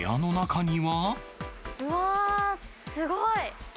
うわー、すごい。